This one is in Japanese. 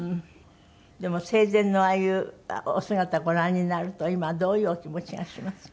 でも生前のああいうお姿をご覧になると今どういうお気持ちがします？